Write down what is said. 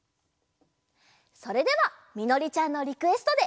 それではみのりちゃんのリクエストで。